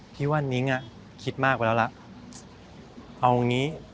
พี่ว่านิ้งอ่ะคิดมากไปแล้วล่ะเอางี้